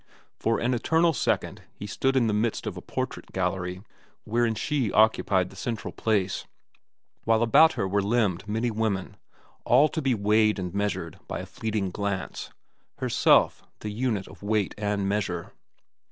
For an eternal second he stood in the midst of a portrait gallery, wherein she occupied the central place, while about her were limned many women, all to be weighed and measured by a fleeting glance, herself the unit of weight and measure.